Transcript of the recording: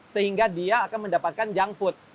sehingga dia akan mendapatkan junk food